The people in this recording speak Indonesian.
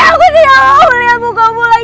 aku lihat mukamu lagi